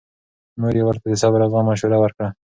مور یې ورته د صبر او زغم مشوره ورکړه.